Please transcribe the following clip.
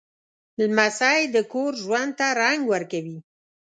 لمسی د کور ژوند ته رنګ ورکوي.